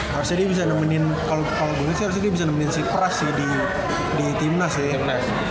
harusnya dia bisa nemenin kalau gue liat sih harusnya dia bisa nemenin si pras di timnas ya